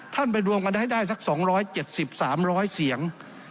ไปรวมกันให้ได้สัก๒๗๓๐๐เสียง